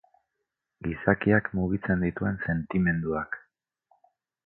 Gizakiak mugitzen dituen sentimenduak.